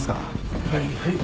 はいはい。